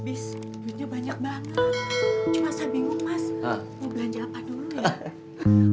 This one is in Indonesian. abis uangnya banyak banget cuma saya bingung mas mau belanja apa dulu ya